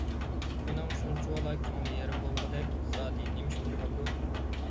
ئۇنىڭ شۇنچىۋالا كۆڭلى يېرىم بولغۇدەك زادى نېمىش بولغاندۇ؟